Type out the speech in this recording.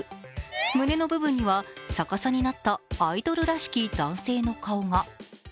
胸の部分には逆さになったアイドルらしき男性の顔が。